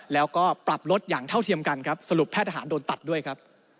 แล้วก็ปรับลดอย่างเท่าเทียมกันครับสรุปแพทย์ทหารโดนตัดด้วยครับ